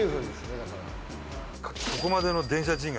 ここまでの電車賃が。